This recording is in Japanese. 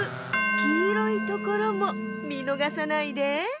きいろいところもみのがさないで。